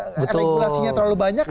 regulasinya terlalu banyak